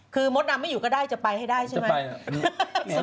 คือมดดำไม่อยู่ก็ได้จะไปให้ได้ใช่ไหม